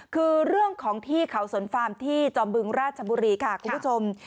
คือเรื่องของที่เขาสนฟาร์มที่จอมบึงราชบุรีค่ะคุณผู้ชม